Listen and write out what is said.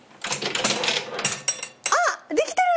あっできてる！